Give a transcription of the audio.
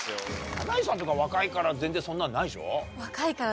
箭内さんとか若いから全然そんなんないでしょ？